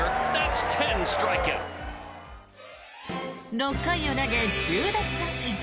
６回を投げ１０奪三振。